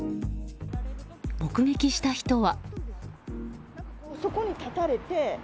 目撃した人は。